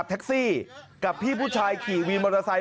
แท็กซี่กับพี่ผู้ชายขี่วินมอเตอร์ไซค